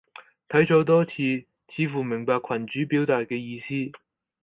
睇咗多次，似乎明白群主表達嘅意思